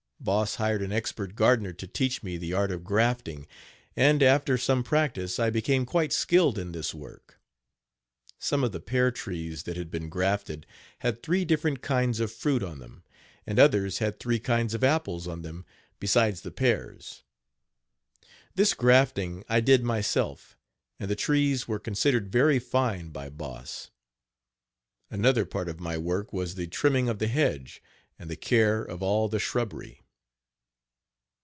Boss hired an expert Gardner to teach me the art of grafting, and, after some practice, I became quite skilled in this work. Some of the pear trees that had been grafted had three different kinds of fruit on them, and others had three kinds of apples on them besides the pears. This grafting I did myself, and the trees were considered very fine by Boss. Another part of my work was the trimming of the hedge and the care of all the shrubbery.